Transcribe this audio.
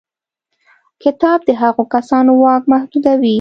کتاب د هغو کسانو واک محدودوي.